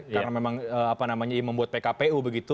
karena memang apa namanya membuat pkpu begitu